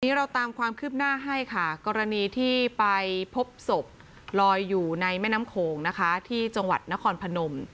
เราตามความคืบหน้าให้ค่ะกรณีที่ไปพบศพลอยอยู่ในแม่น้ำโขงนะคะที่จังหวัดนครพนม